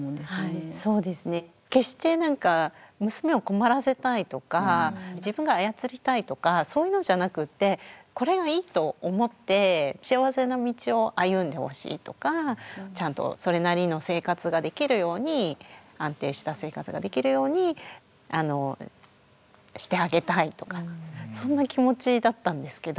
決してなんか娘を困らせたいとか自分が操りたいとかそういうのじゃなくてこれがいいと思って幸せな道を歩んでほしいとかちゃんとそれなりの生活ができるように安定した生活ができるようにしてあげたいとかそんな気持ちだったんですけど。